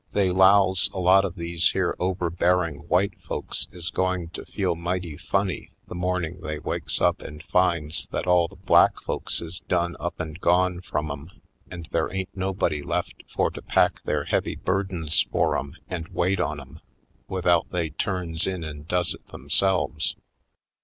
They 'lows a lot of these here overbearing white folks is going to feel mighty funny the morning they wakes up and finds that all the black folks is done up and gone from 'em and there ain't nobody left for to pack their heavy burdens for 'em and wait on 'em, without they turns in and does it them selves.